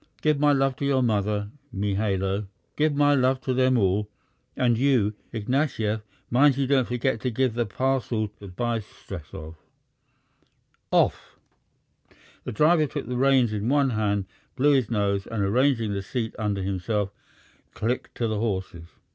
Give my love to your mother, Mihailo. Give my love to them all. And you, Ignatyev, mind you don't forget to give the parcel to Bystretsov.... Off!" The driver took the reins in one hand, blew his nose, and, arranging the seat under himself, clicked to the horses.